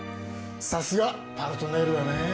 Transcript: さすが「パルトネール」だね。